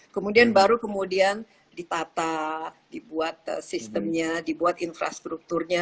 kemudian baru kemudian ditata dibuat sistemnya dibuat infrastrukturnya